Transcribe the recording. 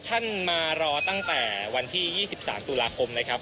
ท่านมารอตั้งแต่วันที่๒๓ตุลาคมนะครับ